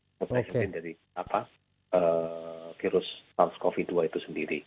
mutation dating dari apa virus sars cov dua itu sendiri